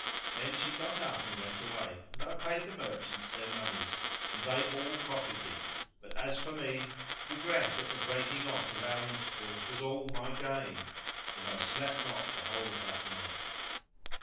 Then she got up and went away, and I paid the merchants their monies and they all profited; but as for me, regret at the breaking off of our intercourse was all my gain; and I slept not the whole of that night.